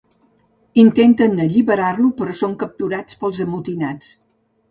Intenten alliberar-lo però són capturats pels amotinats.